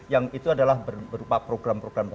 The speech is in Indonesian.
yang itu adalah berupa program program